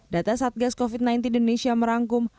data satgas covid sembilan belas indonesia merangkum